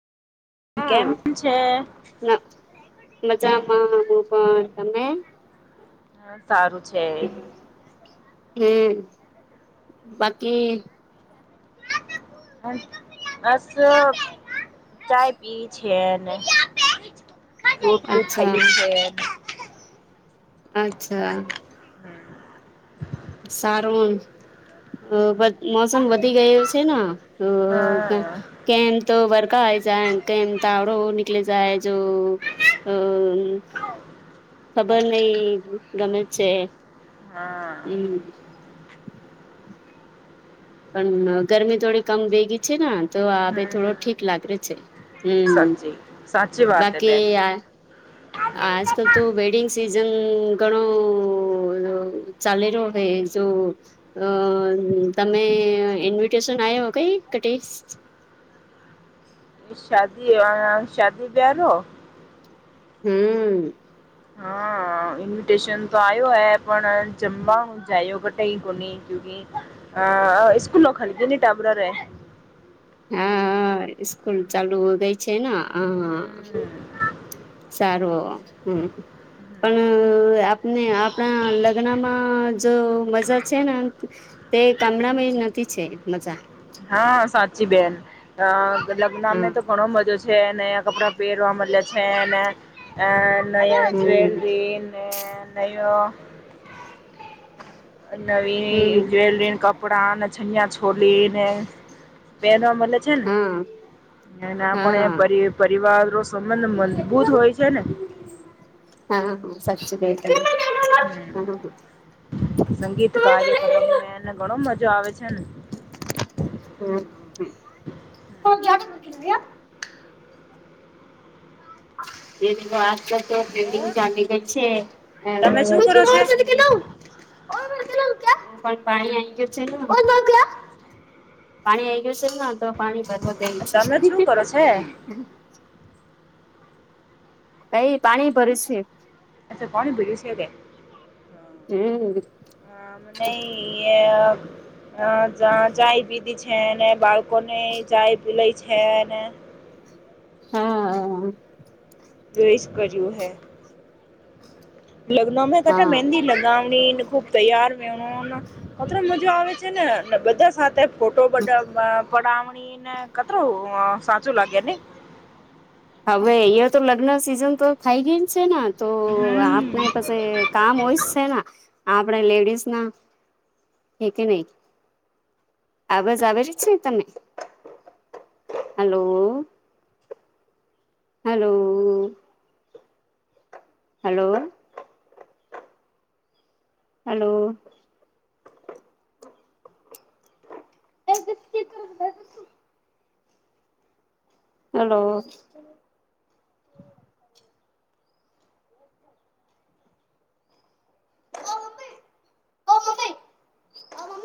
કેમ હા છે? ના મજા હા હું પણ તમે હા સારું છે હમ બાકી બસ ચાય પી છે ફન ગટનુંું અચ્છા થાય છેન અચ્છા સારું મોસમ વધી ગયો છે ઓ હા કેમ તો વર જાય કેમ તાવડો નીકળી જાય જો ખબર નહ ગમે છે હા હમ પણ ગરમી થોડી કમ ભેગી છે ને તો આપે થોડો હમ ઠીક લાગે છે હમ હ સાચી સાચી વાત હે બેન. બાકીયાર આજકાલ તો વેડિંગ સિઝન ઘણો ચાલે રહ્યો હ તો અ તમે ઇન્વિટેશન આવ્યા કઈ શાદી શાદી બ્યારો હમ ઇવીિટેશન તો આ્યો હૈ પણ જમવા હું જાયઓ કટઈ કોને કકી અ હા સ્કૂ ન ખાલીગ ન ટબરા રે હા સ્કૂલ ચાલુ ગઈ છે ને હ હમ સારું હમ પણ આપને આપણા લગ્નમાં જો મજા છે ને તે ગામડામાં એ નથી છે મજા હા સાચી બેન લગ્નને હા તો ઘણો મજો છે કપડાં પહેરવા મલે છે ને નયો હમ જવેલરી નયોો હમ નવી જ્વેલરી કપડા અને જનિયા છોલી ને પહેલા મ ને હા એ હા આપ પરિવાર સંબંધ મજબૂત હોય છે ને સાચુ બેન [inaudible] હેલો હમ સંગીત કાર્યક્રમ એને ઘણો મજા આવે છે ને હમ હ જા એ આસતા તો બિલ્ડિંગ જામી ગઈ છે તમે શું એું કે કરો ના છે [inaudible] [inaudible] પણ પાણી આવી ગયું છે ને [inaudible] પાણી આઈ ગયું છે તો પાણી ભરવયું છે તમે શું કરો છે કઈ પાણી ભર્યું છે અચ્છા પોણી ભળશે કે હમ હા ન ચાય પીધી છે છે ને બાળકો ને જાય પી લઈ છે ને હા. પ્રવેશ કર્યું હૈ. લગ્ન મેં કટા હા. મંંદી લગા. ખબ [unintelligible] તૈયાર મજા આવે છે, ને બધા સાથે ફોટો પડા પડામણી ને કતરું સાચું લાગે ને હવે અહંયા તો લગ્ન સિઝન તો ખાઈ ગય છે, ને તો આપને પછ [unintelligible] કામ હમ હોય જ છે ને? આપણે લેડીસ ના હે કે નહી? આવાજ આવે જ છે તને? Hello hello. હલો. હલો. એ [unintelligible] હલો.